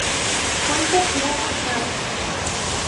Fuente: Google Maps